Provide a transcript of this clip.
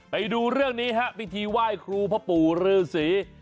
ไปดูเรื่องนี้ฮะพิธีไหว้ครูพ่อปู่ฤษี